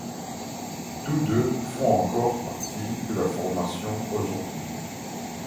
Tous deux font encore partie de la formation aujourd'hui.